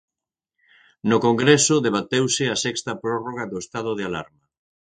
No Congreso debateuse a sexta prórroga do estado de alarma.